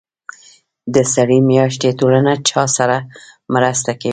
د سرې میاشتې ټولنه چا سره مرسته کوي؟